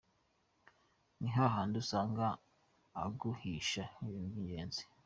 Ni hahandi usanga aguhisha ibintu by’ingenzi.